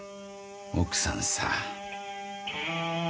奥さんさ。